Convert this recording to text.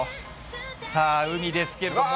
さあ、海ですけれども。